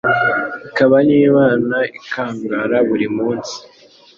ikaba n’Imana ikangara buri munsi